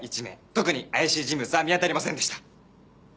特に怪しい人物は見当たりませんでした！